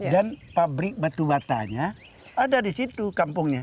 dan pabrik batu batanya ada di situ kampungnya